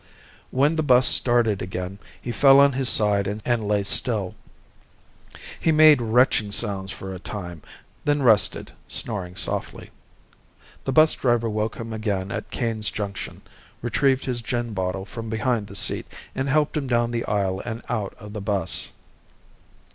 When the bus started again, he fell on his side and lay still. He made retching sounds for a time, then rested, snoring softly. The bus driver woke him again at Caine's junction, retrieved his gin bottle from behind the seat, and helped him down the aisle and out of the bus.